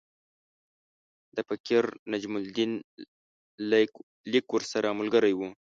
د فقیر نجم الدین لیک ورسره ملګری وو.